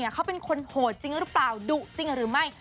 เขาเป็นคนโหดจริงหรือเปล่าดุจริงหรือไม่